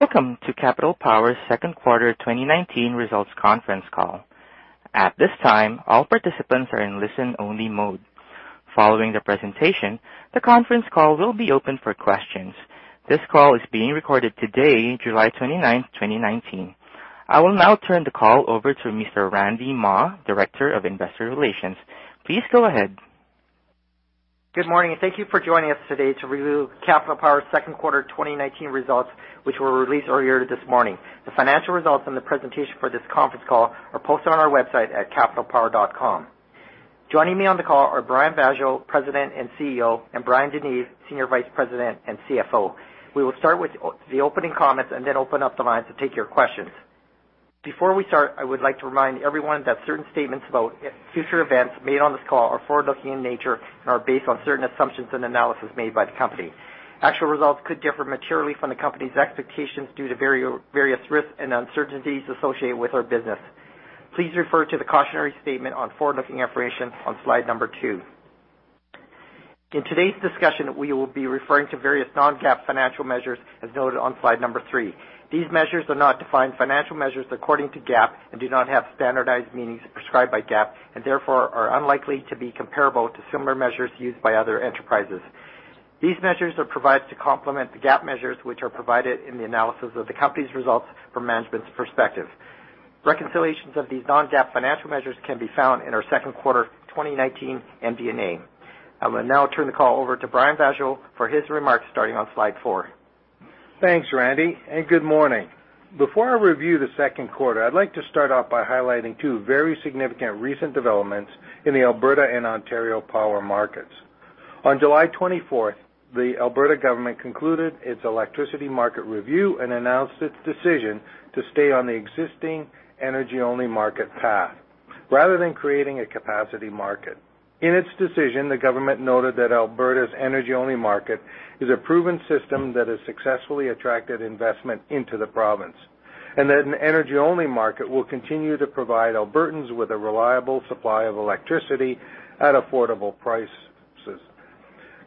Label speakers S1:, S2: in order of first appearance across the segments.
S1: Welcome to Capital Power's second quarter 2019 results conference call. At this time, all participants are in listen-only mode. Following the presentation, the conference call will be open for questions. This call is being recorded today, July 29th, 2019. I will now turn the call over to Mr. Randy Mah, Director of Investor Relations. Please go ahead.
S2: Good morning. Thank you for joining us today to review Capital Power's second quarter 2019 results, which were released earlier this morning. The financial results and the presentation for this conference call are posted on our website at capitalpower.com. Joining me on the call are Brian Vaasjo, President and CEO, and Bryan DeNeve, Senior Vice President and CFO. We will start with the opening comments and then open up the lines to take your questions. Before we start, I would like to remind everyone that certain statements about future events made on this call are forward-looking in nature and are based on certain assumptions and analysis made by the company. Actual results could differ materially from the company's expectations due to various risks and uncertainties associated with our business. Please refer to the cautionary statement on forward-looking information on slide number two. In today's discussion, we will be referring to various non-GAAP financial measures, as noted on slide number three. These measures are not defined financial measures according to GAAP and do not have standardized meanings prescribed by GAAP and therefore are unlikely to be comparable to similar measures used by other enterprises. These measures are provided to complement the GAAP measures which are provided in the analysis of the company's results from management's perspective. Reconciliations of these non-GAAP financial measures can be found in our second quarter 2019 MD&A. I'm going to now turn the call over to Brian Vaasjo for his remarks, starting on slide four.
S3: Thanks, Randy, good morning. Before I review the second quarter, I'd like to start off by highlighting two very significant recent developments in the Alberta and Ontario power markets. On July 24, the Alberta government concluded its electricity market review and announced its decision to stay on the existing energy-only market path rather than creating a capacity market. In its decision, the government noted that Alberta's energy-only market is a proven system that has successfully attracted investment into the province and that an energy-only market will continue to provide Albertans with a reliable supply of electricity at affordable prices.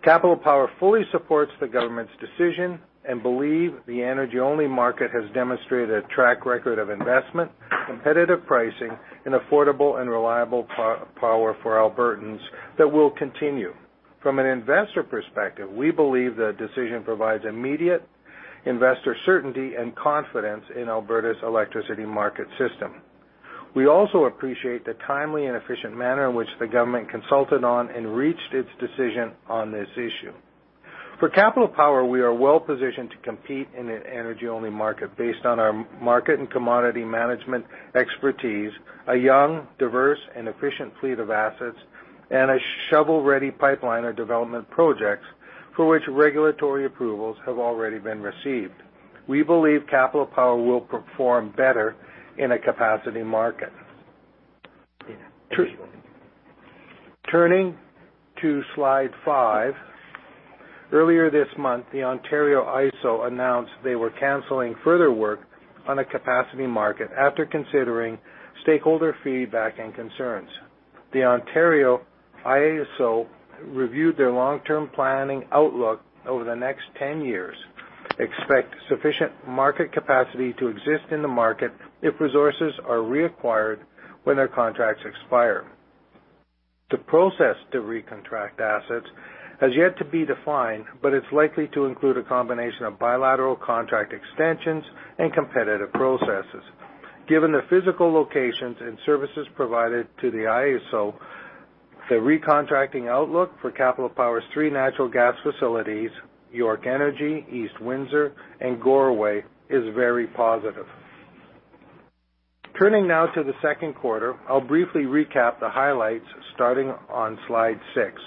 S3: Capital Power fully supports the government's decision and believe the energy-only market has demonstrated a track record of investment, competitive pricing, and affordable and reliable power for Albertans that will continue. From an investor perspective, we believe the decision provides immediate investor certainty and confidence in Alberta's electricity market system. We also appreciate the timely and efficient manner in which the government consulted on and reached its decision on this issue. For Capital Power, we are well-positioned to compete in an energy-only market based on our market and commodity management expertise, a young, diverse and efficient fleet of assets, and a shovel-ready pipeline of development projects for which regulatory approvals have already been received. We believe Capital Power will perform better in a capacity market. Turning to slide five. Earlier this month, the Ontario IESO announced they were canceling further work on a capacity market after considering stakeholder feedback and concerns. The Ontario IESO reviewed their long-term planning outlook over the next 10 years, expect sufficient market capacity to exist in the market if resources are reacquired when their contracts expire. The process to recontract assets has yet to be defined, but it's likely to include a combination of bilateral contract extensions and competitive processes. Given the physical locations and services provided to the IESO, the recontracting outlook for Capital Power's three natural gas facilities, York Energy, East Windsor, and Goreway, is very positive. Turning now to the second quarter, I'll briefly recap the highlights starting on slide six.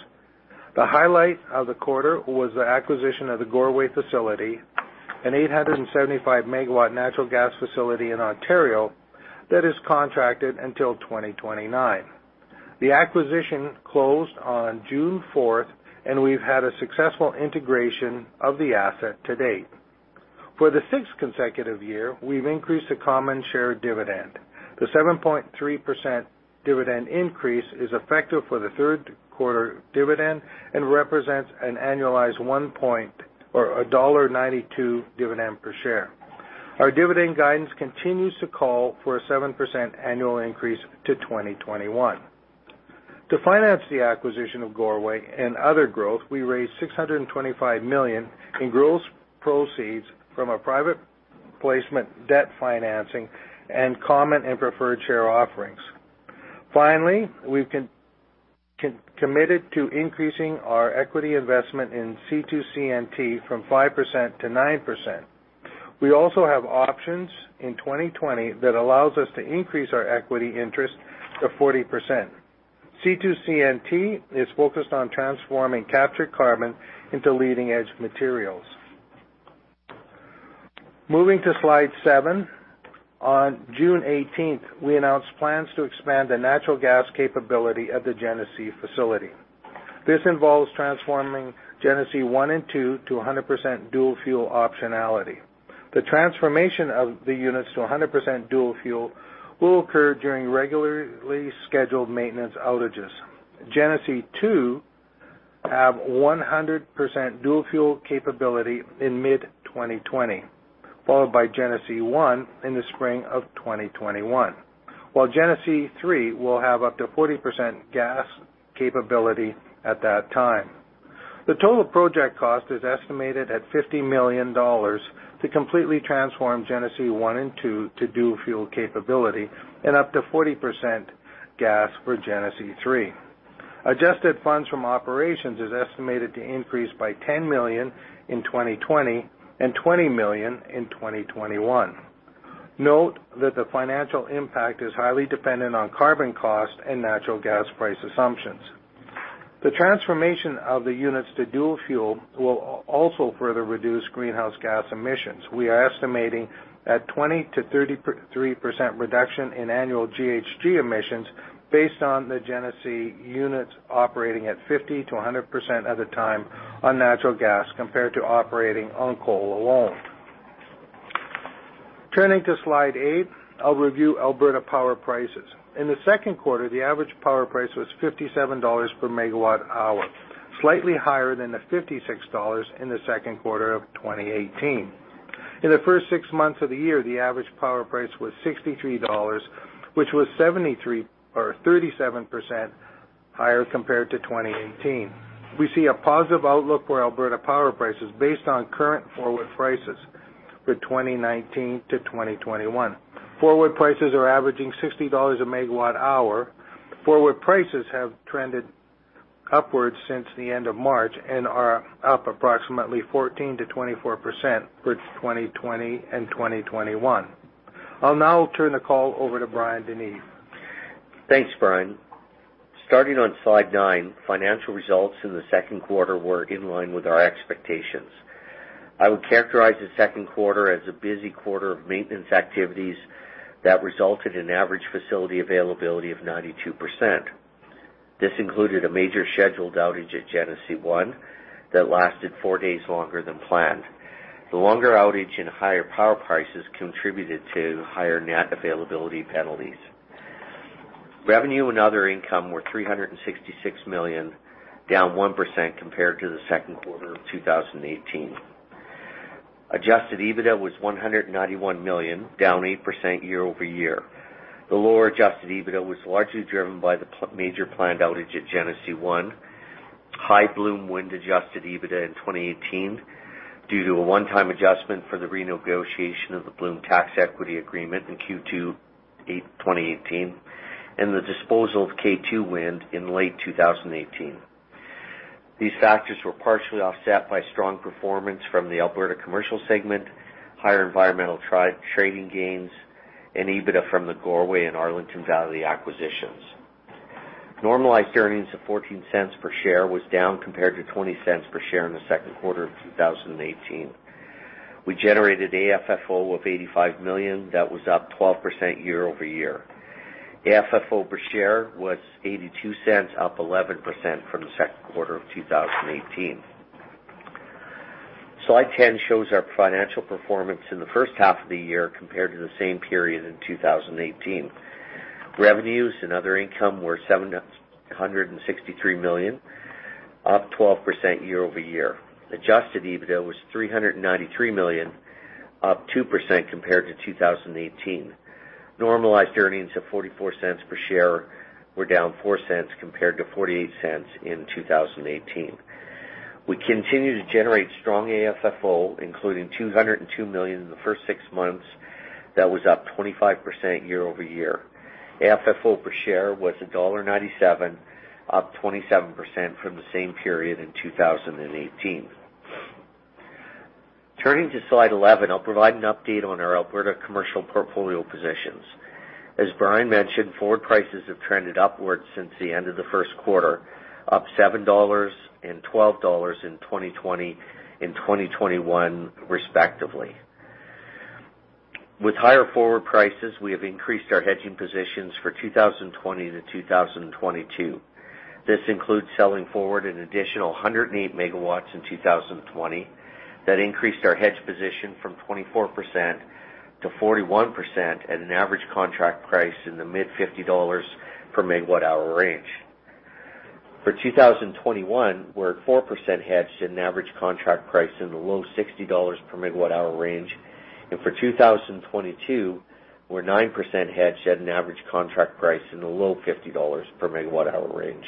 S3: The highlight of the quarter was the acquisition of the Goreway facility, an 875 MW natural gas facility in Ontario that is contracted until 2029. The acquisition closed on June 4th, and we've had a successful integration of the asset to date. For the sixth consecutive year, we've increased the common share dividend. The 7.3% dividend increase is effective for the third-quarter dividend and represents an annualized one point or a dollar 1.92 dividend per share. Our dividend guidance continues to call for a 7% annual increase to 2021. To finance the acquisition of Goreway and other growth, we raised 625 million in gross proceeds from a private placement debt financing and common and preferred share offerings. Finally, we've committed to increasing our equity investment in C2CNT from 5%-9%. We also have options in 2020 that allows us to increase our equity interest to 40%. C2CNT is focused on transforming captured carbon into leading-edge materials. Moving to slide seven. On June 18th, we announced plans to expand the natural gas capability at the Genesee facility. This involves transforming Genesee 1 and 2 to 100% dual-fuel optionality. The transformation of the units to 100% dual-fuel will occur during regularly scheduled maintenance outages. Genesee 2 Have 100% dual-fuel capability in mid-2020, followed by Genesee 1 in the spring of 2021. Genesee 3 will have up to 40% gas capability at that time. The total project cost is estimated at 50 million dollars to completely transform Genesee 1 and 2 to dual-fuel capability and up to 40% gas for Genesee 3. Adjusted funds from operations is estimated to increase by 10 million in 2020 and 20 million in 2021. Note that the financial impact is highly dependent on carbon cost and natural gas price assumptions. The transformation of the units to dual-fuel will also further reduce greenhouse gas emissions. We are estimating a 20%-33% reduction in annual GHG emissions based on the Genesee units operating at 50%-100% of the time on natural gas compared to operating on coal alone. Turning to Slide eight, I'll review Alberta power prices. In the second quarter, the average power price was 57 dollars per megawatt hour, slightly higher than the 56 dollars in the second quarter of 2018. In the first six months of the year, the average power price was 63 dollars, which was 37% higher compared to 2018. We see a positive outlook for Alberta power prices based on current forward prices for 2019 to 2021. Forward prices are averaging 60 dollars a megawatt hour. Forward prices have trended upwards since the end of March and are up approximately 14%-24% for 2020 and 2021. I'll now turn the call over to Bryan DeNeve.
S4: Thanks, Brian. Starting on Slide nine, financial results in the second quarter were in line with our expectations. I would characterize the second quarter as a busy quarter of maintenance activities that resulted in average facility availability of 92%. This included a major scheduled outage at Genesee 1 that lasted four days longer than planned. The longer outage and higher power prices contributed to higher net availability penalties. Revenue and other income were 366 million, down 1% compared to the second quarter of 2018. Adjusted EBITDA was 191 million, down 8% year-over-year. The lower adjusted EBITDA was largely driven by the major planned outage at Genesee 1, high Bloom Wind-adjusted EBITDA in 2018 due to a one-time adjustment for the renegotiation of the Bloom tax equity agreement in Q2 2018, and the disposal of K2 Wind in late 2018. These factors were partially offset by strong performance from the Alberta commercial segment, higher environmental trading gains, and EBITDA from the Goreway and Arlington Valley acquisitions. Normalized earnings of 0.14 per share was down compared to 0.20 per share in the second quarter of 2018. We generated AFFO of CAD 85 million. That was up 12% year-over-year. AFFO per share was 0.82, up 11% from the second quarter of 2018. Slide 10 shows our financial performance in the first half of the year compared to the same period in 2018. Revenues and other income were 763 million, up 12% year-over-year. Adjusted EBITDA was 393 million, up 2% compared to 2018. Normalized earnings of 0.44 per share were down 0.04 compared to 0.48 in 2018. We continue to generate strong AFFO, including 202 million in the first six months. That was up 25% year-over-year. AFFO per share was dollar 1.97, up 27% from the same period in 2018. Turning to Slide 11, I'll provide an update on our Alberta commercial portfolio positions. As Brian mentioned, forward prices have trended upwards since the end of the first quarter, up 7 dollars and 12 dollars in 2020 and 2021, respectively. With higher forward prices, we have increased our hedging positions for 2020-2022. This includes selling forward an additional 108 MW in 2020. That increased our hedge position from 24%-41% at an average contract price in the mid-CAD 50 per MWh range. For 2021, we're at 4% hedged at an average contract price in the low 60 dollars per MWh range. For 2022, we're 9% hedged at an average contract price in the low 50 dollars per MWh range.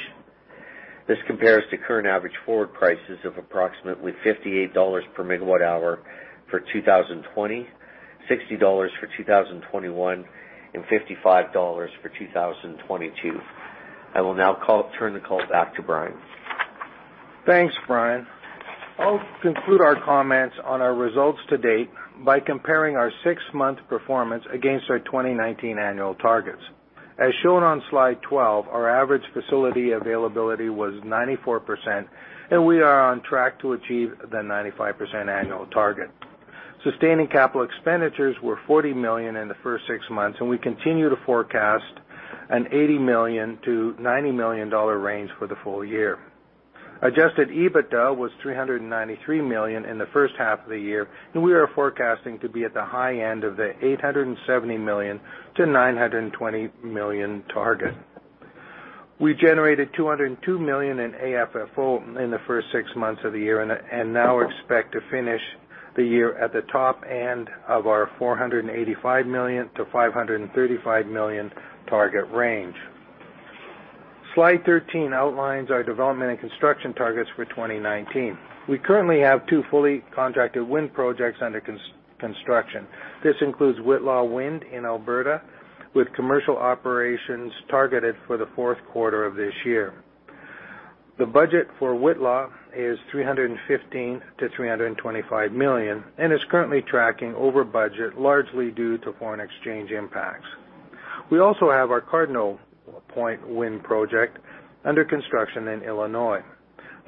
S4: This compares to current average forward prices of approximately 58 dollars per MWh for 2020, 60 dollars for 2021, and 55 dollars for 2022. I will now turn the call back to Brian.
S3: Thanks, Bryan. I'll conclude our comments on our results to date by comparing our six-month performance against our 2019 annual targets. As shown on Slide 12, our average facility availability was 94%, and we are on track to achieve the 95% annual target. Sustaining capital expenditures were 40 million in the first six months, and we continue to forecast a 80 million-90 million dollar range for the full year. Adjusted EBITDA was 393 million in the first half of the year, and we are forecasting to be at the high end of the 870 million-920 million target. We generated 202 million in AFFO in the first six months of the year, and now expect to finish the year at the top end of our 485 million-535 million target range. Slide 13 outlines our development and construction targets for 2019. We currently have two fully contracted wind projects under construction. This includes Whitla Wind in Alberta, with commercial operations targeted for the fourth quarter of this year. The budget for Whitla is 315 million-325 million and is currently tracking over budget, largely due to foreign exchange impacts. We also have our Cardinal Point Wind project under construction in Illinois.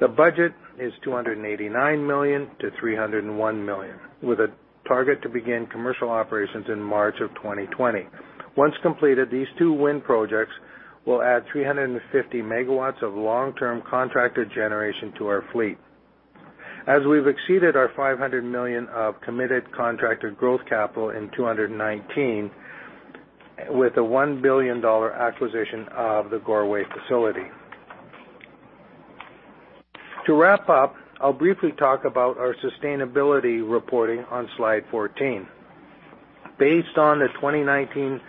S3: The budget is 289 million-301 million, with a target to begin commercial operations in March of 2020. Once completed, these two wind projects will add 350 MW of long-term contracted generation to our fleet. As we've exceeded our 500 million of committed contracted growth capital in 2019, with a 1 billion dollar acquisition of the Goreway facility. To wrap up, I'll briefly talk about our sustainability reporting on slide 14. Based on the 2019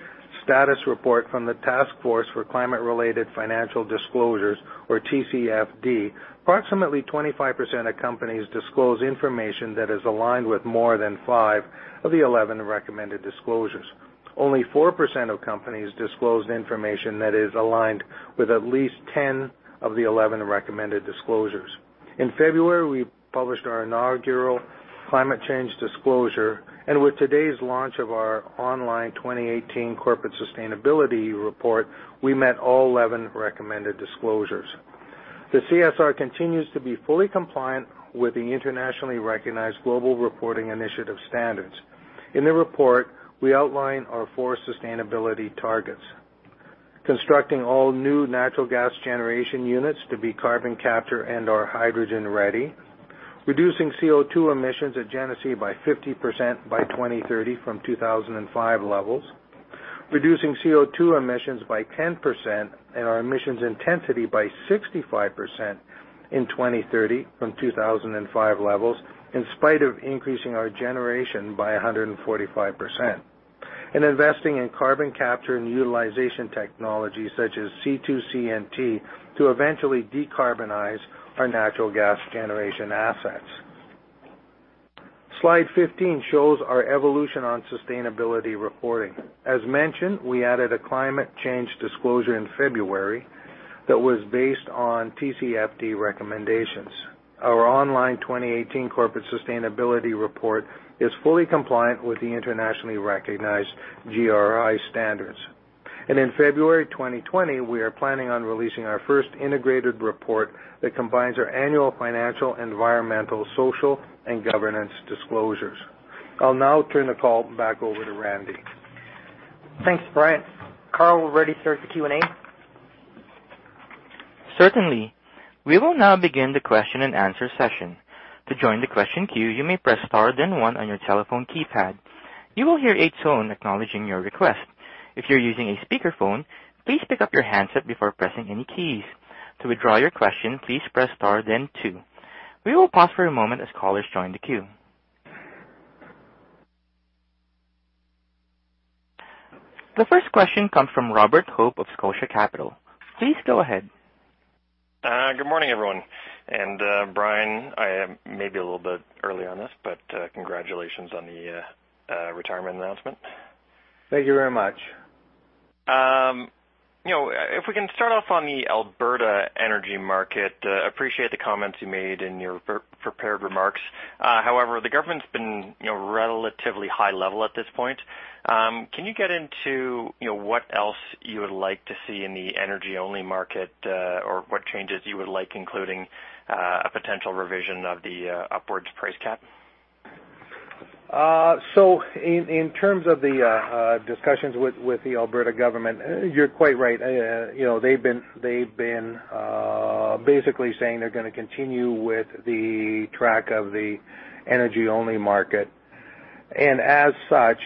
S3: status report from the Task Force on Climate-related Financial Disclosures, or TCFD, approximately 25% of companies disclose information that is aligned with more than five of the 11 recommended disclosures. Only 4% of companies disclosed information that is aligned with at least 10 of the 11 recommended disclosures. In February, we published our inaugural climate change disclosure, and with today's launch of our online 2018 corporate sustainability report, we met all 11 recommended disclosures. The CSR continues to be fully compliant with the internationally recognized Global Reporting Initiative standards. In the report, we outline our four sustainability targets. Constructing all new natural gas generation units to be carbon capture and/or hydrogen-ready. Reducing CO2 emissions at Genesee by 50% by 2030 from 2005 levels. Reducing CO2 emissions by 10% and our emissions intensity by 65% in 2030 from 2005 levels, in spite of increasing our generation by 145%. Investing in carbon capture and utilization technology such as C2CNT to eventually decarbonize our natural gas generation assets. Slide 15 shows our evolution on sustainability reporting. As mentioned, we added a climate change disclosure in February that was based on TCFD recommendations. Our online 2018 corporate sustainability report is fully compliant with the internationally recognized GRI standards. In February 2020, we are planning on releasing our first integrated report that combines our annual financial, environmental, social, and governance disclosures. I'll now turn the call back over to Randy.
S2: Thanks, Brian. Carl, ready to start the Q&A?
S1: Certainly. We will now begin the question-and-answer session. To join the question queue, you may press star then one on your telephone keypad. You will hear a tone acknowledging your request. If you're using a speakerphone, please pick up your handset before pressing any keys. To withdraw your question, please press star then two. We will pause for a moment as callers join the queue. The first question comes from Robert Hope of Scotia Capital. Please go ahead.
S5: Good morning, everyone. Brian, I am maybe a little bit early on this, but congratulations on the retirement announcement.
S3: Thank you very much.
S5: If we can start off on the Alberta energy market, appreciate the comments you made in your prepared remarks. The government's been relatively high level at this point. Can you get into what else you would like to see in the energy-only market, or what changes you would like, including a potential revision of the upwards price cap?
S3: In terms of the discussions with the Alberta government, you're quite right. They've been basically saying they're going to continue with the track of the energy-only market. As such,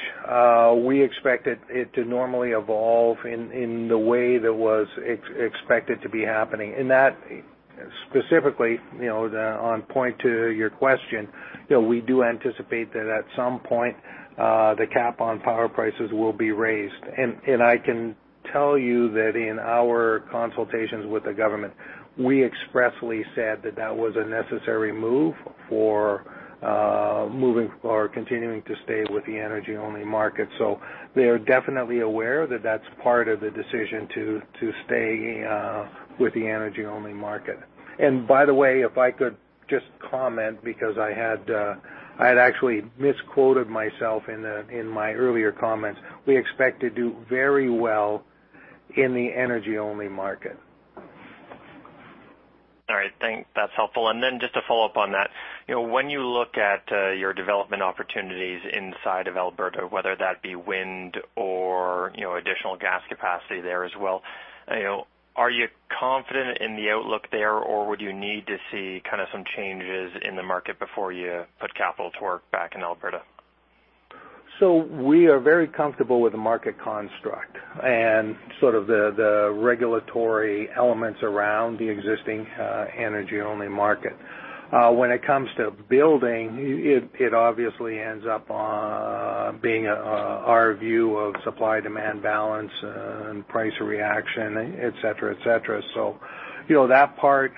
S3: we expect it to normally evolve in the way that was expected to be happening. Specifically, on point to your question, we do anticipate that at some point, the cap on power prices will be raised. I can tell you that in our consultations with the government, we expressly said that that was a necessary move for continuing to stay with the energy-only market. They are definitely aware that that's part of the decision to stay with the energy-only market. By the way, if I could just comment, because I had actually misquoted myself in my earlier comments. We expect to do very well in the energy-only market.
S5: All right. That's helpful. Just to follow up on that, when you look at your development opportunities inside of Alberta, whether that be wind or additional gas capacity there as well, are you confident in the outlook there, or would you need to see some changes in the market before you put capital to work back in Alberta?
S3: We are very comfortable with the market construct and the regulatory elements around the existing energy-only market. When it comes to building, it obviously ends up being our view of supply-demand balance and price reaction, et cetera. That part,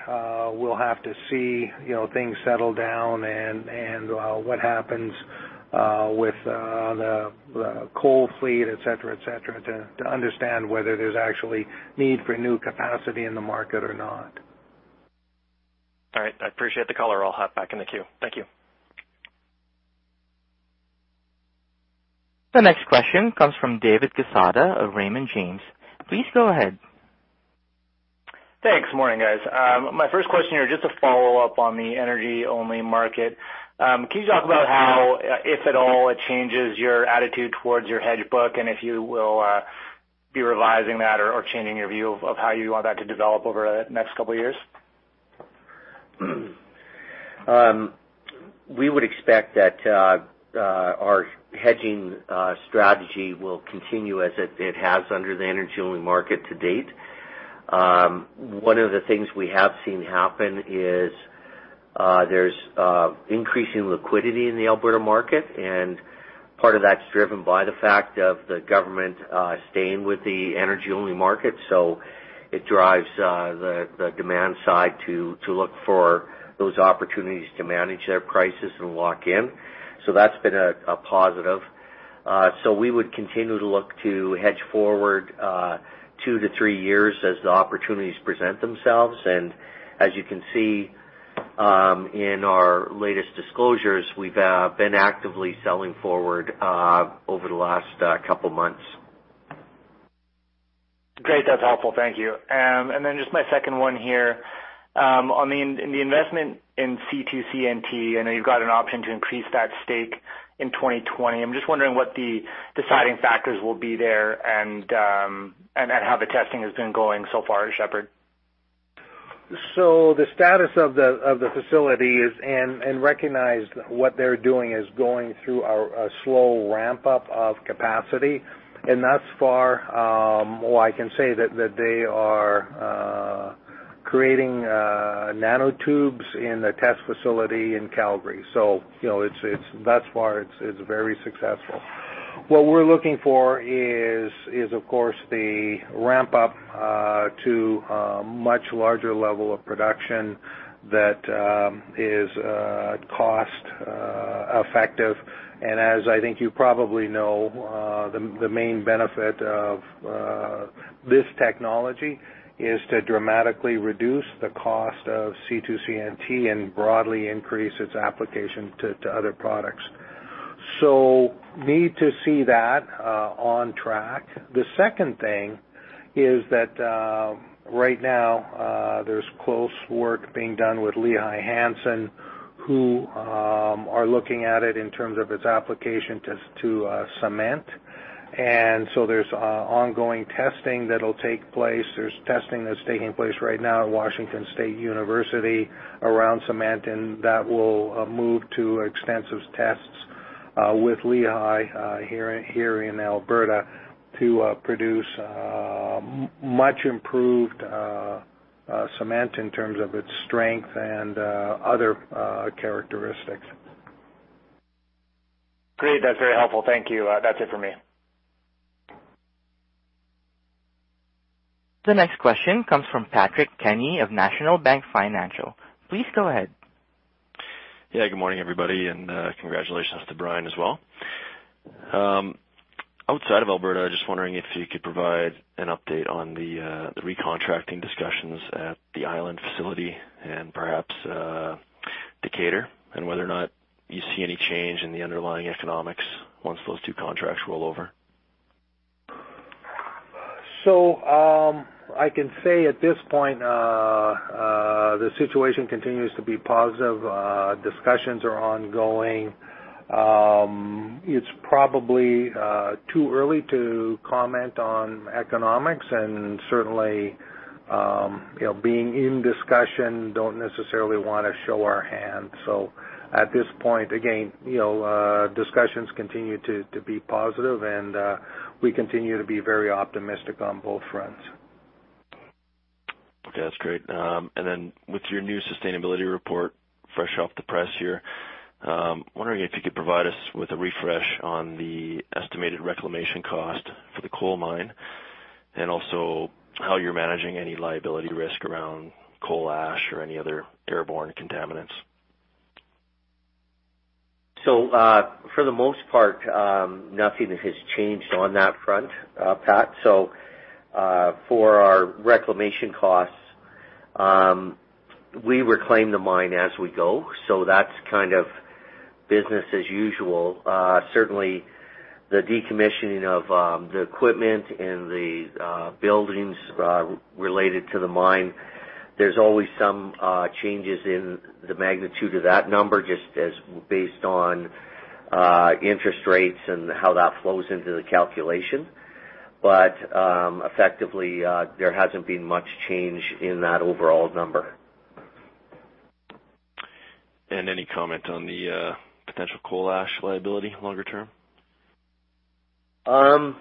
S3: we'll have to see things settle down and what happens with the coal fleet, et cetera, to understand whether there's actually need for new capacity in the market or not.
S5: All right. I appreciate the color. I'll hop back in the queue. Thank you.
S1: The next question comes from David Quezada of Raymond James. Please go ahead.
S6: Thanks. Morning, guys. My first question here, just a follow-up on the energy-only market. Can you talk about how, if at all, it changes your attitude towards your hedge book, and if you will be revising that or changing your view of how you want that to develop over the next couple of years?
S4: We would expect that our hedging strategy will continue as it has under the energy-only market to date. One of the things we have seen happen is there's increasing liquidity in the Alberta market, and part of that's driven by the fact of the government staying with the energy-only market. It drives the demand side to look for those opportunities to manage their prices and lock in. That's been a positive. We would continue to look to hedge forward two to three years as the opportunities present themselves. As you can see in our latest disclosures, we've been actively selling forward over the last couple of months.
S6: Great. That's helpful. Thank you. Just my second one here. On the investment in C2CNT, I know you've got an option to increase that stake in 2020. I'm just wondering what the deciding factors will be there and how the testing has been going so far, Shepard.
S3: The status of the facility is, and recognize what they're doing is going through a slow ramp-up of capacity. Thus far, all I can say that they are creating nanotubes in the test facility in Calgary. Thus far it's very successful. What we're looking for is, of course, the ramp-up to a much larger level of production that is cost-effective. As I think you probably know, the main benefit of this technology is to dramatically reduce the cost of C2CNT and broadly increase its application to other products. We need to see that on track. The second thing is that right now there's close work being done with Lehigh Hanson, who are looking at it in terms of its application to cement. There's ongoing testing that'll take place. There's testing that's taking place right now at Washington State University around cement, and that will move to extensive tests with Lehigh here in Alberta to produce much improved cement in terms of its strength and other characteristics.
S6: Great. That's very helpful. Thank you. That's it for me.
S1: The next question comes from Patrick Kenny of National Bank Financial. Please go ahead.
S7: Yeah. Good morning, everybody, and congratulations to Brian as well. Outside of Alberta, just wondering if you could provide an update on the recontracting discussions at the Island facility and perhaps Decatur, and whether or not you see any change in the underlying economics once those two contracts roll over.
S3: I can say at this point, the situation continues to be positive. Discussions are ongoing. It's probably too early to comment on economics, and certainly being in discussion, don't necessarily want to show our hand. At this point, again, discussions continue to be positive, and we continue to be very optimistic on both fronts.
S7: Okay, that's great. With your new sustainability report fresh off the press here, I'm wondering if you could provide us with a refresh on the estimated reclamation cost for the coal mine and also how you're managing any liability risk around coal ash or any other airborne contaminants.
S4: For the most part, nothing has changed on that front, Pat. For our reclamation costs, we reclaim the mine as we go. That's kind of business as usual. Certainly the decommissioning of the equipment and the buildings related to the mine, there's always some changes in the magnitude of that number just as based on interest rates and how that flows into the calculation. Effectively, there hasn't been much change in that overall number.
S7: Any comment on the potential coal ash liability longer term?
S4: No.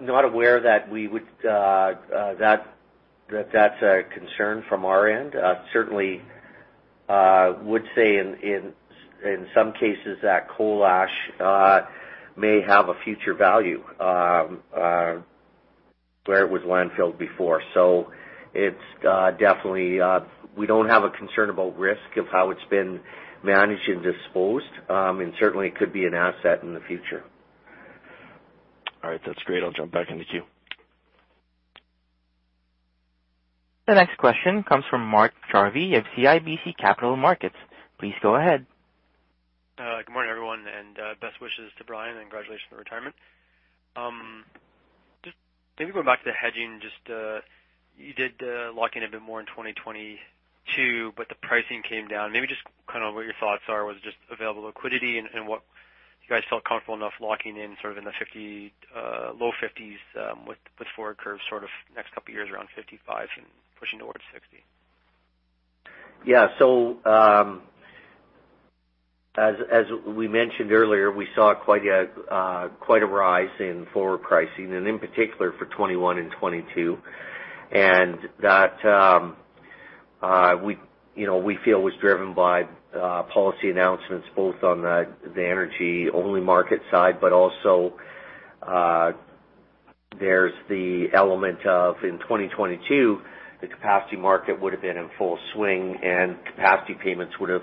S4: Not aware that that's a concern from our end. Certainly would say in some cases that coal ash may have a future value where it was landfilled before. We don't have a concern about risk of how it's been managed and disposed. Certainly it could be an asset in the future.
S7: All right. That's great. I'll jump back in the queue.
S1: The next question comes from Mark Jarvi of CIBC Capital Markets. Please go ahead.
S8: Good morning, everyone, and best wishes to Brian, and congratulations on retirement. Just maybe going back to the hedging, you did lock in a bit more in 2022, but the pricing came down. Maybe just what your thoughts are was just available liquidity and what you guys felt comfortable enough locking in sort of in the low CAD 50s, with forward curves sort of next couple of years around 55 and pushing towards 60.
S4: Yeah. As we mentioned earlier, we saw quite a rise in forward pricing and in particular for 2021 and 2022. That, we feel was driven by policy announcements both on the energy-only market side, but also there's the element of, in 2022, the capacity market would've been in full swing, and capacity payments would've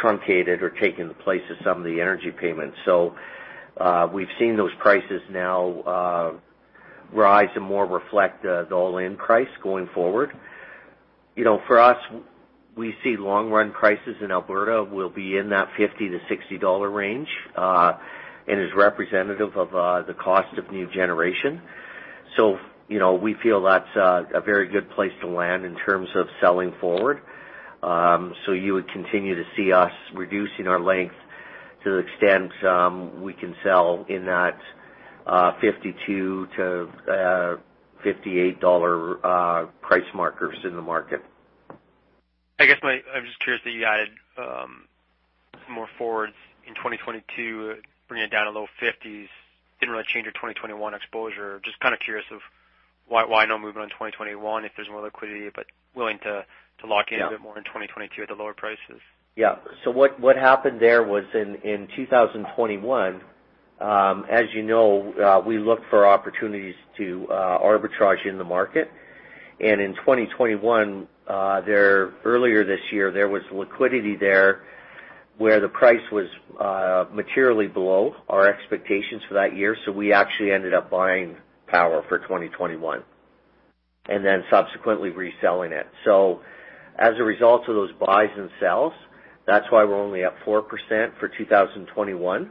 S4: truncated or taken the place of some of the energy payments. We've seen those prices now rise and more reflect the all-in price going forward. For us, we see long-run prices in Alberta will be in that 50-60 dollar range, and is representative of the cost of new generation. We feel that's a very good place to land in terms of selling forward. You would continue to see us reducing our length to the extent we can sell in that 52-58 dollar price markers in the market.
S8: I guess I'm just curious that you added some more forwards in 2022, bringing it down to low 50s. Didn't really change your 2021 exposure. Just kind of curious of why no movement on 2021 if there's more liquidity.
S4: Yeah.
S8: a bit more in 2022 at the lower prices.
S4: Yeah. What happened there was in 2021, as you know, we look for opportunities to arbitrage in the market. In 2021, earlier this year, there was liquidity there where the price was materially below our expectations for that year. We actually ended up buying power for 2021 and then subsequently reselling it. As a result of those buys and sells, that's why we're only at 4% for 2021.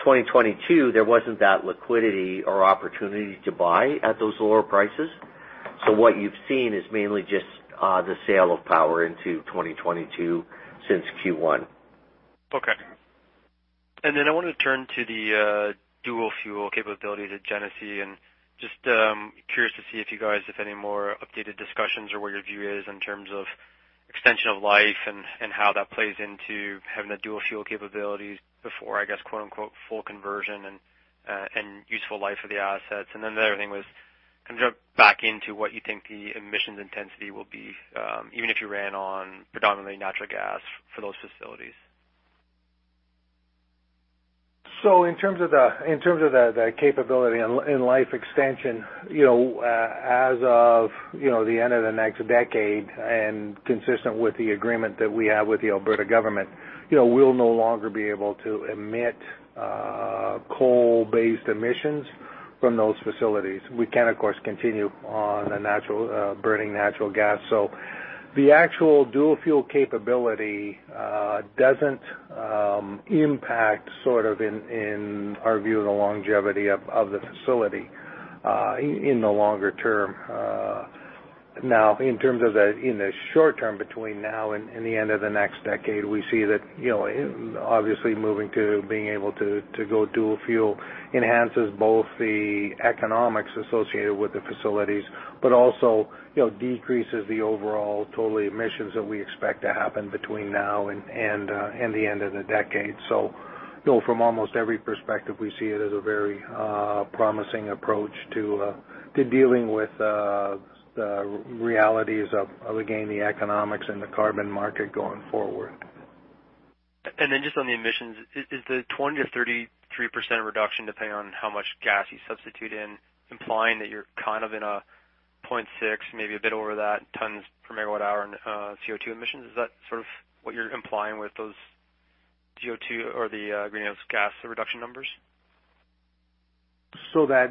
S4: 2022, there wasn't that liquidity or opportunity to buy at those lower prices. What you've seen is mainly just the sale of power into 2022 since Q1.
S8: Okay. I want to turn to the dual-fuel capabilities at Genesee, just curious to see if you guys, if any more updated discussions or what your view is in terms of extension of life and how that plays into having the dual-fuel capabilities before, I guess, quote-unquote, full conversion and useful life of the assets? The other thing was kind of jump back into what you think the emissions intensity will be, even if you ran on predominantly natural gas for those facilities?
S3: In terms of the capability and life extension, as of the end of the next decade and consistent with the agreement that we have with the Alberta government, we'll no longer be able to emit coal-based emissions from those facilities. We can, of course, continue on burning natural gas. The actual dual-fuel capability doesn't impact sort of in our view, the longevity of the facility in the longer term. In terms of the short term between now and the end of the next decade, we see that obviously moving to being able to go dual-fuel enhances both the economics associated with the facilities, but also decreases the overall total emissions that we expect to happen between now and the end of the decade. From almost every perspective, we see it as a very promising approach to dealing with the realities of, again, the economics and the carbon market going forward.
S8: Just on the emissions, is the 20%-33% reduction depending on how much gas you substitute in, implying that you're kind of in a 0.6, maybe a bit over that tons per megawatt hour in CO2 emissions? Is that sort of what you're implying with those CO2 or the greenhouse gas reduction numbers?
S3: That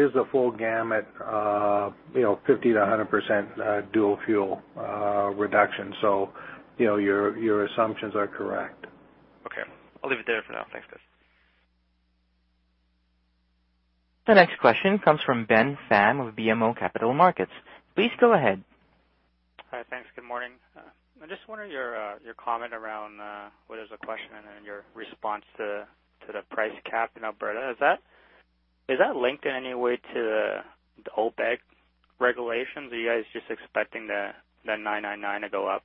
S3: is the full gamut, 50%-100% dual-fuel reduction. Your assumptions are correct.
S8: Okay. I'll leave it there for now. Thanks, guys.
S1: The next question comes from Ben Pham of BMO Capital Markets. Please go ahead.
S9: Hi. Thanks. Good morning. I just wonder your comment around, well, there's a question and your response to the price cap in Alberta. Is that linked in any way to the AESO regulations? Are you guys just expecting the 999 to go up?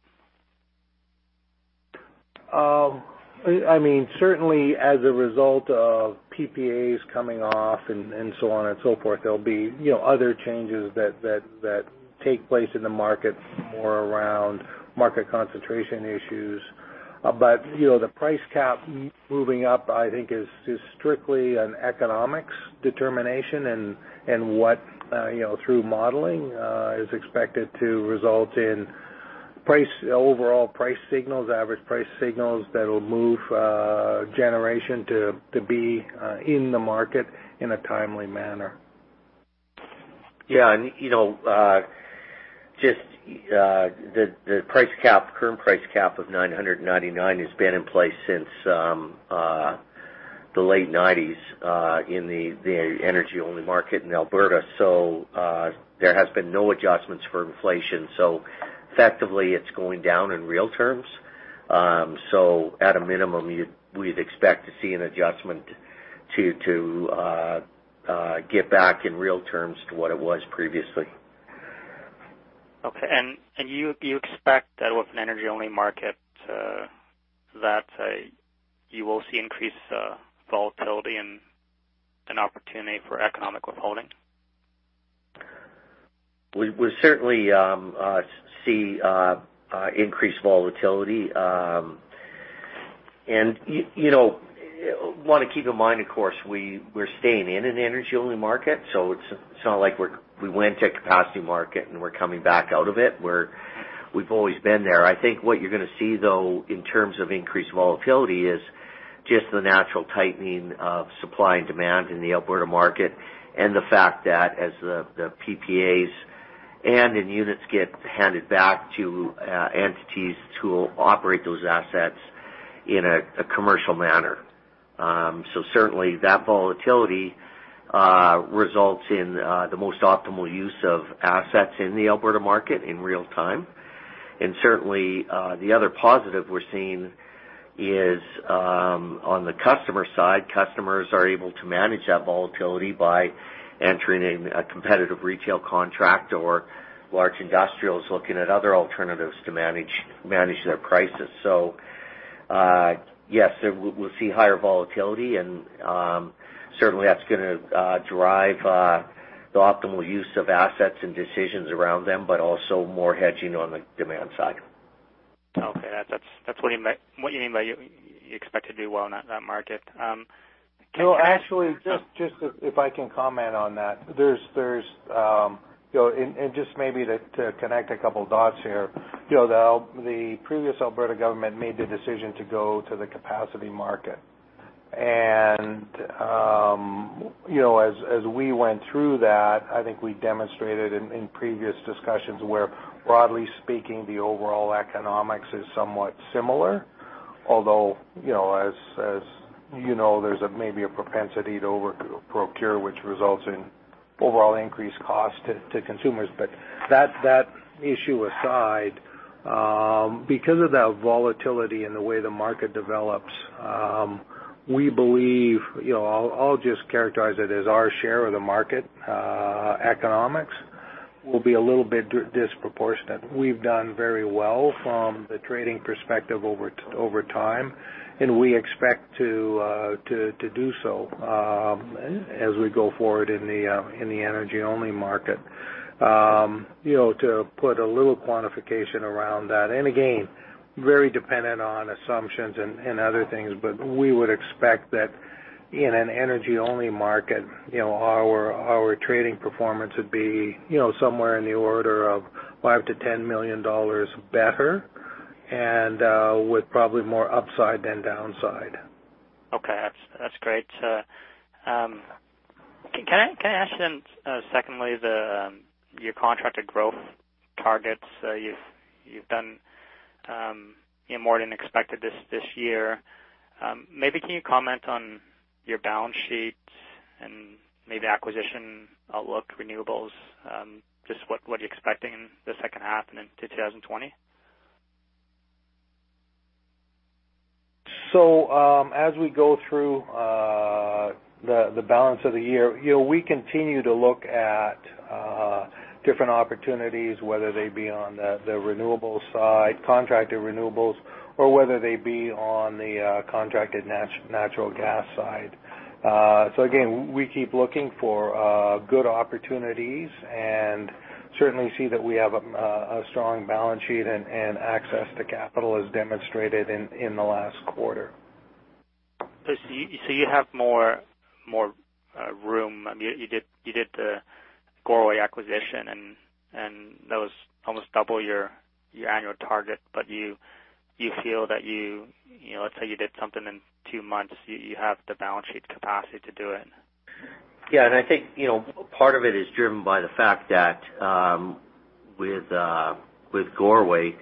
S3: Certainly as a result of PPAs coming off and so on and so forth, there'll be other changes that take place in the market more around market concentration issues. The price cap moving up, I think is strictly an economics determination and what through modeling is expected to result in overall price signals, average price signals that'll move generation to be in the market in a timely manner.
S4: Yeah. Just the current price cap of 999 has been in place since the late '90s in the energy-only market in Alberta. There has been no adjustments for inflation, so effectively it's going down in real terms. At a minimum, we'd expect to see an adjustment to get back in real terms to what it was previously.
S9: Okay. You expect that with an energy-only market, that you will see increased volatility and an opportunity for economic withholding?
S4: We certainly see increased volatility. You want to keep in mind, of course, we're staying in an energy-only market, so it's not like we went to a capacity market and we're coming back out of it. We've always been there. I think what you're going to see, though, in terms of increased volatility is just the natural tightening of supply and demand in the Alberta market and the fact that as the PPAs and in units get handed back to entities who operate those assets in a commercial manner. Certainly that volatility results in the most optimal use of assets in the Alberta market in real time. Certainly, the other positive we're seeing is on the customer side. Customers are able to manage that volatility by entering a competitive retail contract or large industrials looking at other alternatives to manage their prices. Yes, we'll see higher volatility and certainly that's going to drive the optimal use of assets and decisions around them, but also more hedging on the demand side.
S9: Okay. That's what you mean by you expect to do well in that market?
S3: No, actually, just if I can comment on that. Just maybe to connect a couple of dots here. The previous Alberta government made the decision to go to the capacity market. As we went through that, I think we demonstrated in previous discussions where broadly speaking, the overall economics is somewhat similar. As you know, there's maybe a propensity to over-procure, which results in overall increased cost to consumers. That issue aside, because of that volatility in the way the market develops, we believe, I'll just characterize it as our share of the market economics will be a little bit disproportionate. We've done very well from the trading perspective over time, and we expect to do so as we go forward in the energy-only market. To put a little quantification around that, and again, very dependent on assumptions and other things, but we would expect that in an energy-only market our trading performance would be somewhere in the order of 5 million-10 million dollars better and with probably more upside than downside.
S9: Okay. That's great. Can I ask then secondly, your contracted growth targets, you've done more than expected this year. Maybe can you comment on your balance sheet and maybe acquisition outlook, renewables, just what are you expecting in the second half and into 2020?
S3: As we go through the balance of the year, we continue to look at different opportunities, whether they be on the renewable side, contracted renewables, or whether they be on the contracted natural gas side. Again, we keep looking for good opportunities and certainly see that we have a strong balance sheet and access to capital as demonstrated in the last quarter.
S9: You have more room. You did the Goreway acquisition, and that was almost double your annual target, but you feel that, let's say you did something in two months, you have the balance sheet capacity to do it?
S4: I think part of it is driven by the fact that with Goreway,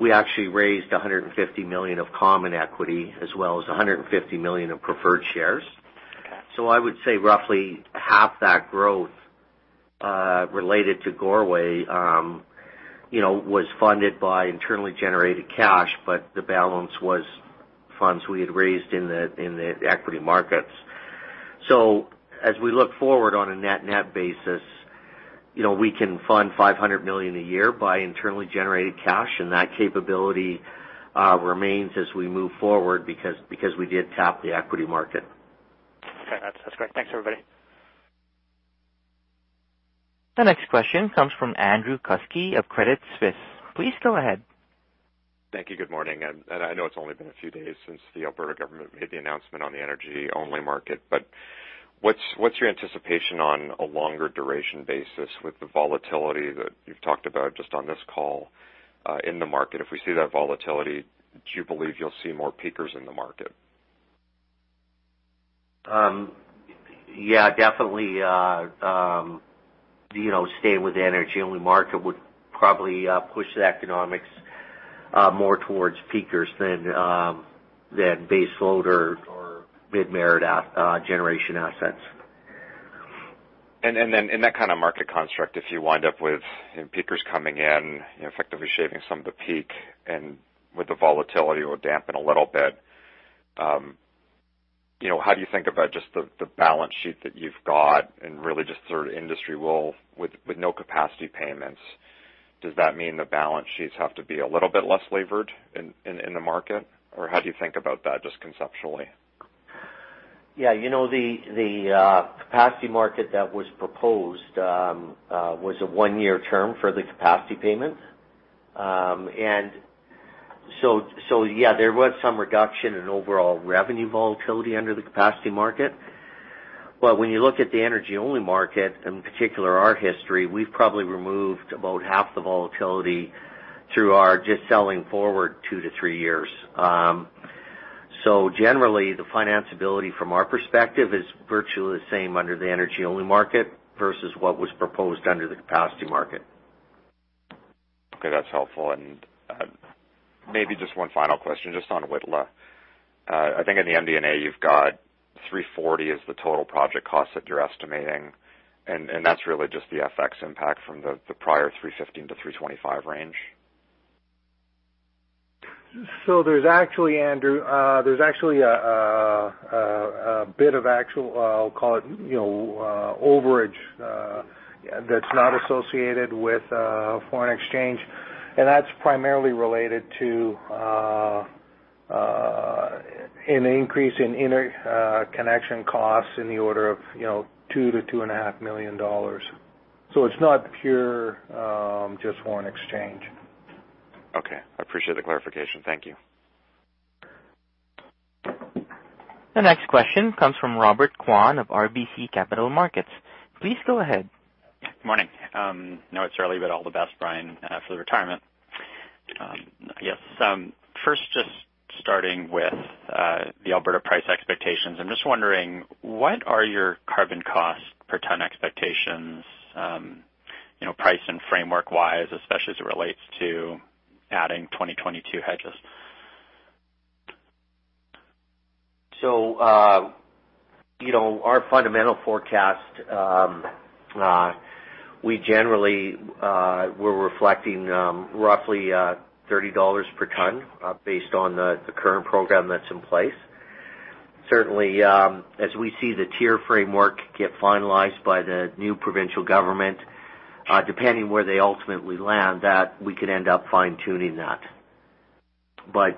S4: we actually raised 150 million of common equity as well as 150 million of preferred shares. I would say roughly half that growth related to Goreway was funded by internally generated cash, but the balance was funds we had raised in the equity markets. As we look forward on a net net basis, we can fund 500 million a year by internally generated cash, and that capability remains as we move forward because we did tap the equity market.
S9: Okay. That's great. Thanks, everybody.
S1: The next question comes from Andrew Kuske of Credit Suisse. Please go ahead.
S10: Thank you. Good morning. I know it's only been a few days since the Alberta government made the announcement on the energy-only market. What's your anticipation on a longer duration basis with the volatility that you've talked about just on this call, in the market? If we see that volatility, do you believe you'll see more peakers in the market?
S4: Yeah, definitely staying with the energy-only market would probably push the economics more towards peakers than base load or mid-merit generation assets.
S10: In that kind of market construct, if you wind up with peakers coming in, effectively shaving some of the peak and with the volatility will dampen a little bit. How do you think about just the balance sheet that you've got and really just sort of industry role with no capacity payments? Does that mean the balance sheets have to be a little bit less levered in the market? Or how do you think about that, just conceptually?
S4: Yeah. The capacity market that was proposed was a one-year term for the capacity payment. Yeah, there was some reduction in overall revenue volatility under the capacity market. When you look at the energy-only market, in particular our history, we've probably removed about half the volatility through our just selling forward two to three years. Generally, the financability from our perspective is virtually the same under the energy-only market versus what was proposed under the capacity market.
S10: Okay. That's helpful. Maybe just one final question, just on Whitla. I think in the MD&A you've got 340 as the total project cost that you're estimating, and that's really just the FX impact from the prior 315-325 range.
S3: There's actually, Andrew, a bit of actual, I'll call it, overage that's not associated with foreign exchange. That's primarily related to an increase in interconnection costs in the order of 2 million-2.5 million dollars. It's not pure just foreign exchange.
S10: Okay. I appreciate the clarification. Thank you.
S1: The next question comes from Robert Kwan of RBC Capital Markets. Please go ahead.
S11: Morning. I know it's early, but all the best, Brian, for the retirement. I guess, first, just starting with the Alberta price expectations. I'm just wondering, what are your carbon cost per ton expectations, price and framework-wise, especially as it relates to adding 2022 hedges?
S4: Our fundamental forecast, we generally we're reflecting roughly 30 dollars per ton based on the current program that's in place. Certainly, as we see the TIER framework get finalized by the new provincial government, depending where they ultimately land, that we could end up fine-tuning that.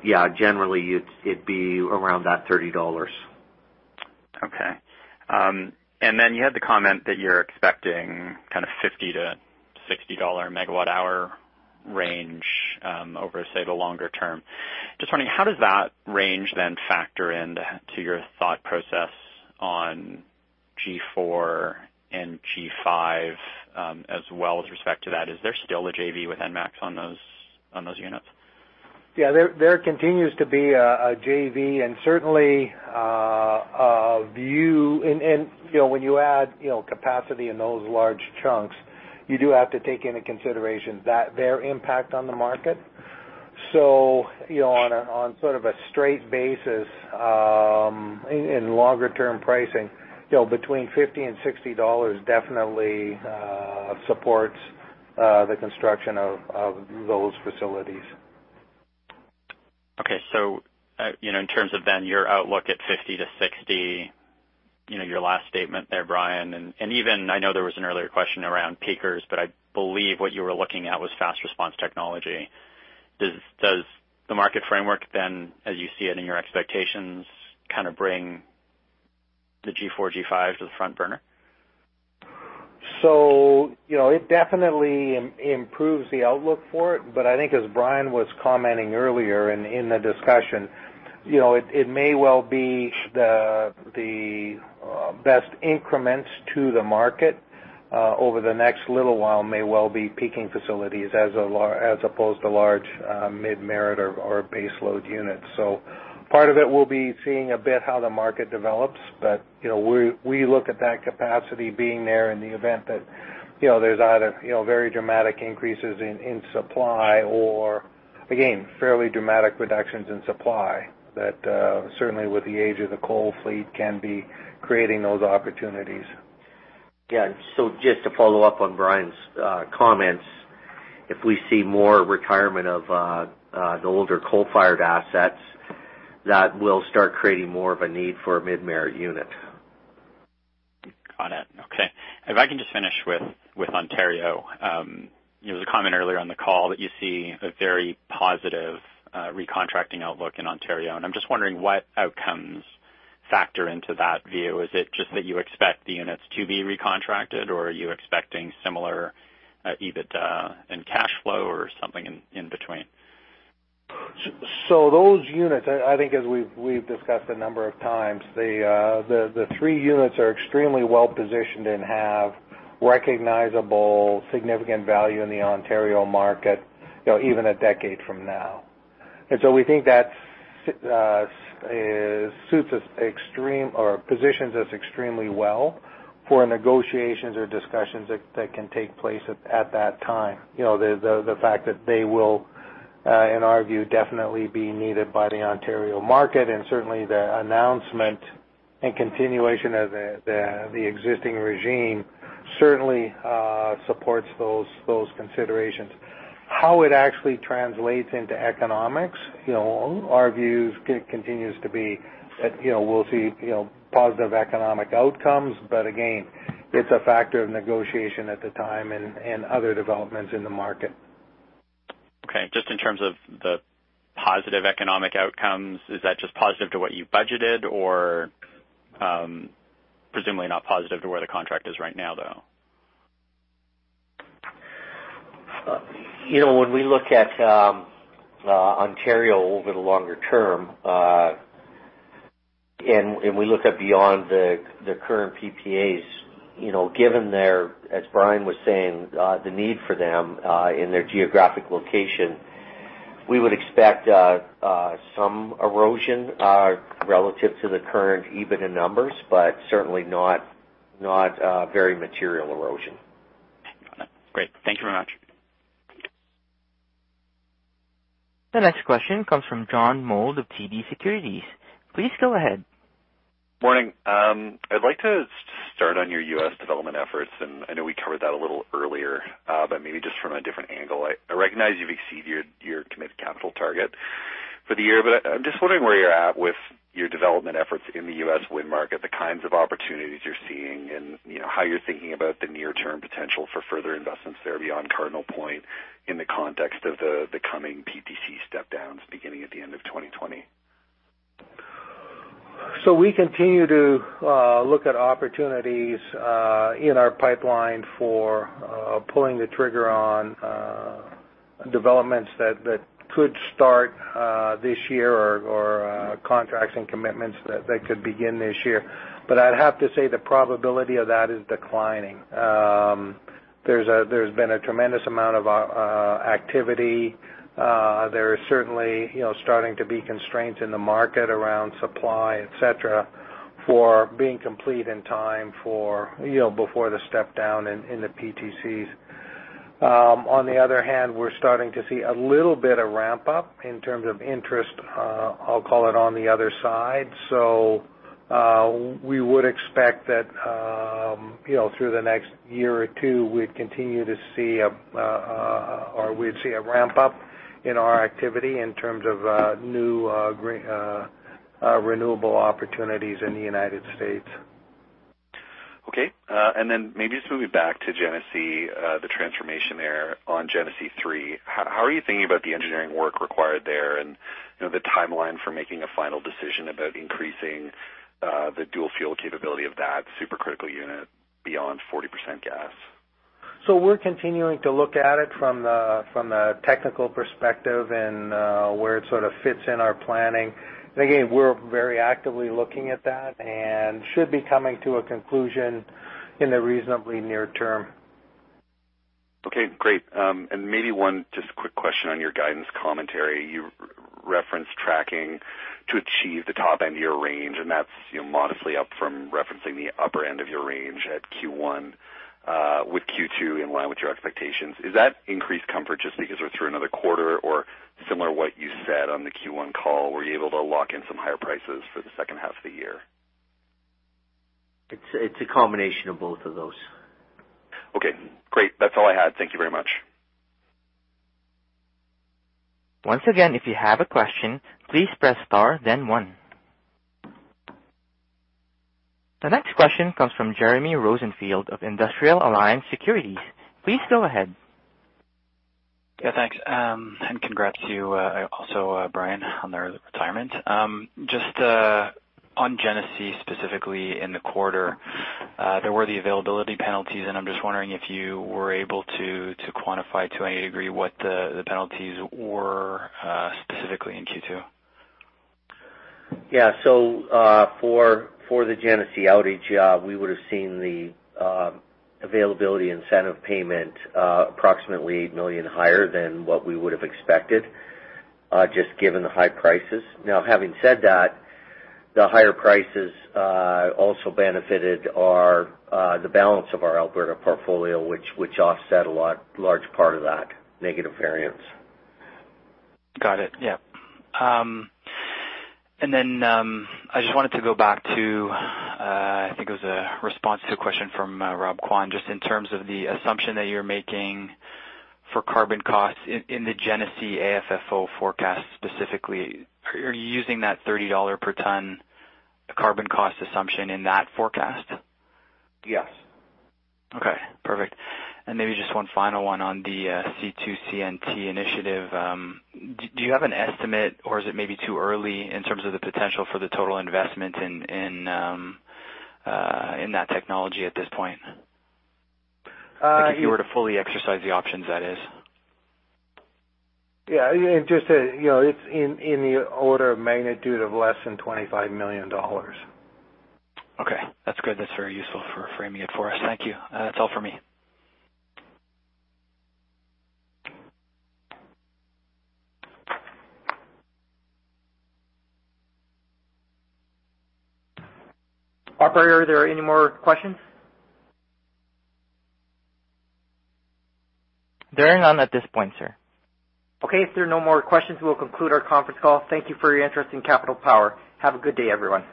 S4: Yeah, generally, it'd be around that 30 dollars.
S11: Okay. You had the comment that you're expecting kind of 50-60 dollar MWh range over, say, the longer term. Just wondering how does that range then factor into your thought process on G4 and G5 as well with respect to that? Is there still a JV with ENMAX on those units?
S3: Yeah, there continues to be a JV and certainly a view. When you add capacity in those large chunks, you do have to take into consideration their impact on the market. On sort of a straight basis, in longer-term pricing, between 50 and 60 dollars definitely supports the construction of those facilities.
S11: In terms of then your outlook at 50-60, your last statement there, Brian, and even I know there was an earlier question around peakers, but I believe what you were looking at was fast response technology. Does the market framework then, as you see it in your expectations, kind of bring the G4, G5s to the front burner?
S3: It definitely improves the outlook for it. I think as Bryan was commenting earlier in the discussion, it may well be the best increments to the market over the next little while may well be peaking facilities as opposed to large mid-merit or base load units. Part of it will be seeing a bit how the market develops. We look at that capacity being there in the event that there's either very dramatic increases in supply or again, fairly dramatic reductions in supply that certainly with the age of the coal fleet can be creating those opportunities.
S4: Yeah. Just to follow up on Brian's comments, if we see more retirement of the older coal-fired assets, that will start creating more of a need for a mid-merit unit.
S11: Got it. Okay. If I can just finish with Ontario. There was a comment earlier on the call that you see a very positive recontracting outlook in Ontario. I'm just wondering what outcomes factor into that view. Is it just that you expect the units to be recontracted, or are you expecting similar EBITDA and cash flow or something in between?
S3: Those units, I think as we've discussed a number of times, the three units are extremely well-positioned and have recognizable significant value in the Ontario market, even a decade from now. We think that positions us extremely well for negotiations or discussions that can take place at that time. The fact that they will, in our view, definitely be needed by the Ontario market and certainly the announcement and continuation of the existing regime certainly supports those considerations. How it actually translates into economics, our view continues to be that we'll see positive economic outcomes. Again, it's a factor of negotiation at the time and other developments in the market.
S11: Okay, just in terms of the positive economic outcomes, is that just positive to what you budgeted? Presumably not positive to where the contract is right now, though.
S4: When we look at Ontario over the longer term, and we look at beyond the current PPAs, given their, as Brian was saying, the need for them in their geographic location, we would expect some erosion relative to the current EBITDA numbers, but certainly not very material erosion.
S11: Got it. Great. Thank you very much.
S1: The next question comes from John Mould of TD Securities. Please go ahead.
S12: Morning. I'd like to start on your U.S. development efforts. I know we covered that a little earlier, maybe just from a different angle. I recognize you've exceeded your committed capital target for the year, I'm just wondering where you're at with your development efforts in the U.S. wind market, the kinds of opportunities you're seeing, and how you're thinking about the near-term potential for further investments there beyond Cardinal Point in the context of the coming PTC step-downs beginning at the end of 2020.
S3: We continue to look at opportunities in our pipeline for pulling the trigger on developments that could start this year or contracts and commitments that could begin this year. I'd have to say the probability of that is declining. There's been a tremendous amount of activity. There are certainly starting to be constraints in the market around supply, et cetera, for being complete in time before the step-down in the PTCs. On the other hand, we're starting to see a little bit of ramp-up in terms of interest, I'll call it on the other side. We would expect that through the next year or two, we'd continue to see a ramp-up in our activity in terms of new renewable opportunities in the U.S.
S12: Okay. Maybe just moving back to Genesee, the transformation there on Genesee 3, how are you thinking about the engineering work required there and the timeline for making a final decision about increasing the dual-fuel capability of that supercritical unit beyond 40% gas?
S3: We're continuing to look at it from the technical perspective and where it sort of fits in our planning. Again, we're very actively looking at that and should be coming to a conclusion in the reasonably near term.
S12: Okay, great. Maybe one just quick question on your guidance commentary. You referenced tracking to achieve the top end of your range, and that's modestly up from referencing the upper end of your range at Q1 with Q2 in line with your expectations. Is that increased comfort just because we're through another quarter or similar what you said on the Q1 call? Were you able to lock in some higher prices for the second half of the year?
S4: It's a combination of both of those.
S12: Okay, great. That's all I had. Thank you very much.
S1: Once again, if you have a question, please press star then one. The next question comes from Jeremy Rosenfield of Industrial Alliance Securities. Please go ahead.
S13: Yeah, thanks. Congrats to you also, Brian, on the retirement. Just on Genesee, specifically in the quarter, there were the availability penalties, and I am just wondering if you were able to quantify to any degree what the penalties were specifically in Q2.
S4: For the Genesee outage, we would have seen the availability incentive payment approximately 8 million higher than what we would have expected, just given the high prices. Now, having said that, the higher prices also benefited the balance of our Alberta portfolio, which offset a large part of that negative variance.
S13: Got it. Yeah. I just wanted to go back to, I think it was a response to a question from Rob Kwan, just in terms of the assumption that you're making for carbon costs in the Genesee AFFO forecast specifically. Are you using that 30 dollar per ton carbon cost assumption in that forecast?
S4: Yes.
S13: Okay, perfect. Maybe just one final one on the C2CNT initiative. Do you have an estimate, or is it maybe too early in terms of the potential for the total investment in that technology at this point? If you were to fully exercise the options, that is.
S3: Yeah. It's in the order of magnitude of less than 25 million dollars.
S13: Okay. That's good. That's very useful for framing it for us. Thank you. That's all for me.
S2: Operator, are there any more questions?
S1: There are none at this point, sir.
S3: Okay, if there are no more questions, we will conclude our conference call. Thank you for your interest in Capital Power. Have a good day, everyone.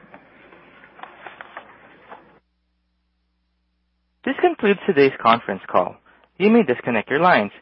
S1: This concludes today's conference call. You may disconnect your lines.